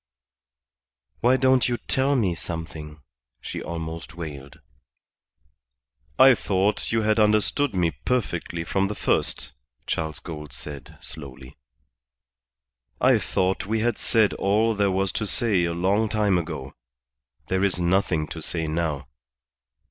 "Why don't you tell me something?" she almost wailed. "I thought you had understood me perfectly from the first," Charles Gould said, slowly. "I thought we had said all there was to say a long time ago. There is nothing to say now.